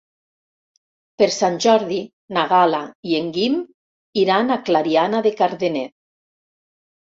Per Sant Jordi na Gal·la i en Guim iran a Clariana de Cardener.